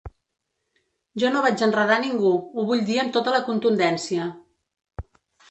Jo no vaig enredar ningú, ho vull dir amb tota la contundència.